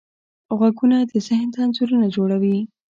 غږونه ذهن ته انځورونه جوړوي.